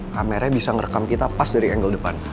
kameranya bisa ngerekam kita pas dari angle depan